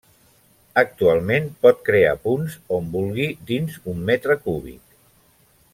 Actualment pot crear punts on vulgui dins un metre cúbic.